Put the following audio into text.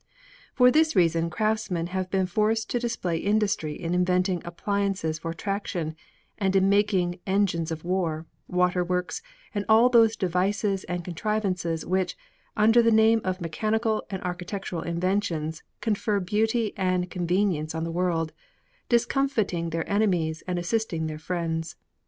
For this reason craftsmen have been forced to display industry in inventing appliances for traction, and in making engines of war, waterworks, and all those devices and contrivances which, under the name of mechanical and architectural inventions, confer beauty and convenience on the world, discomfiting their enemies and assisting their friends.